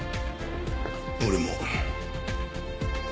俺も。